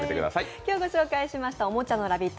今日御紹介しましたおもちゃのラヴィット！